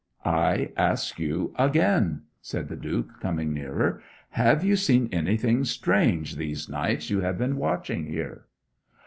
'I ask you again,' said the Duke, coming nearer, 'have you seen anything strange these nights you have been watching here?'